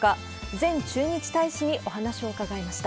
前駐日大使にお話を伺いました。